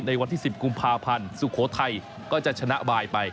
วันที่๑๐กุมภาพันธ์สุโขทัยก็จะชนะบายไป